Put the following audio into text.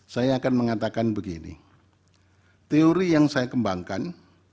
saya akan mengatakan begini teori yang saya kembangkan